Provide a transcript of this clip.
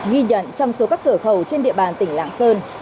ghi nhận trong số các cửa khẩu trên địa bàn tỉnh lạng sơn